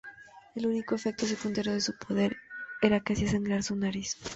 El único efecto secundario de su poder era que hacía sangrar su nariz.